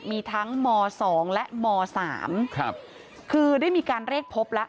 มีทั้งม๒และม๓ครับคือได้มีการเรียกพบแล้ว